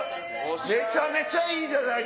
めちゃめちゃいいじゃない！